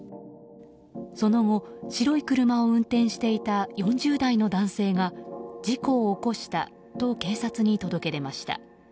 その後、白い車を運転していた４０代の男性が事故を起こしたと警察に届け出ました。